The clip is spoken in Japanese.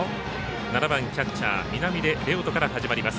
７番、キャッチャー南出玲丘人から始まります。